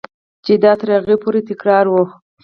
چې دا تر هغې پورې تکراروه.